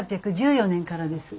１８１４年からです。